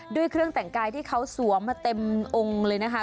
ด้วยเครื่องแต่งกายที่เขาสวมมาเต็มองค์เลยนะคะ